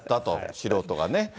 素人がね。